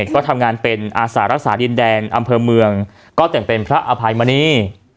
ก็ทำงานเป็นอาสารักษาดินแดนอำเภอเมืองก็แต่งเป็นพระอภัยมณี